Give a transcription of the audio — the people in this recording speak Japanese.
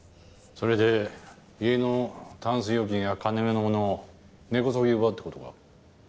それで家のタンス預金や金めのものを根こそぎ奪うってことか？